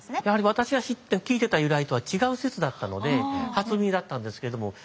やはり私が聞いていた由来とは違う説だったので初耳だったんですけれども。